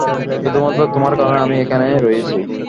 শুধুমাত্র তোমার কারণেই আমি এখানে রয়েছি।